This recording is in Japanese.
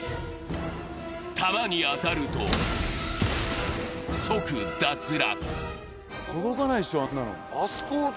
弾に当たると即脱落。